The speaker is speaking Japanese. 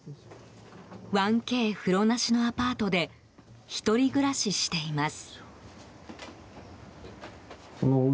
１Ｋ風呂なしのアパートで１人暮らししています。